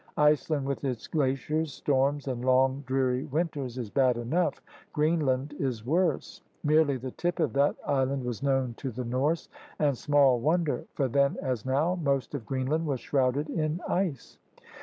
Iceland with its glaciers, storms, and long dreary winters is bad enough. Greenland is worse. Merely the tip of that island was known to the Norse — and small wonder, for then as now most of Greenland was shrouded in ice.